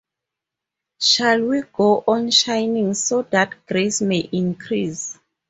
Shall We Go on Sinning So That Grace May Increase?